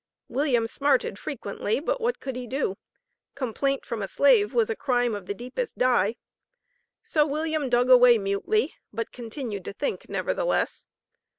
William smarted frequently; but what could he do? Complaint from a slave was a crime of the deepest dye. So William dug away mutely, but continued to think, nevertheless.